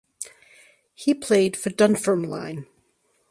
He played for Dunfermline.